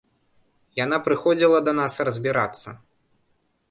Яна прыходзіла да нас разбірацца.